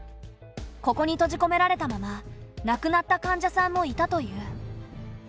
ここに閉じ込められたまま亡くなった患者さんもいたという。